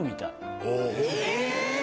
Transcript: え